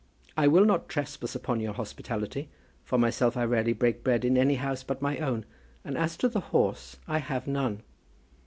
I will not trespass on your hospitality. For myself, I rarely break bread in any house but my own; and as to the horse, I have none.